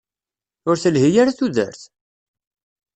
Ur telhi ara tudert?